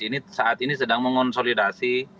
ini saat ini sedang mengonsolidasi